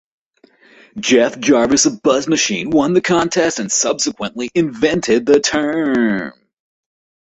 Jeff Jarvis of BuzzMachine won the contest and subsequently invented the term.